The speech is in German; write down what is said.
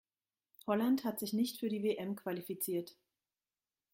Holland hat sich nicht für die WM qualifiziert.